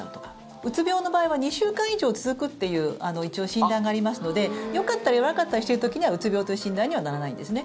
うつ病の場合は２週間以上続くという一応、診断がありますのでよかったり悪かったりしている時にはうつ病という診断にはならないんですね。